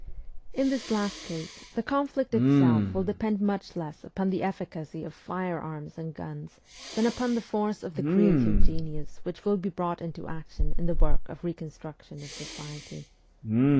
In this last case the con flict itself will depend much less upon the efficacy of firearms and guns than upon the force of the creative genius which will be brought into action in the work of reconstruction of society.